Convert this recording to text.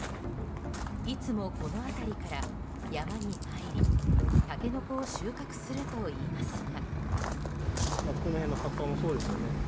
いつもこの辺りから山に入りタケノコを収穫するといいますが。